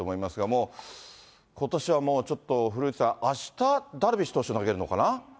もう、ことしはもうちょっと、古内さん、あした、ダルビッシュ投手が投げるのかな。